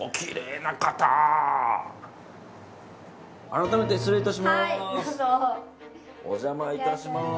改めて失礼いたします。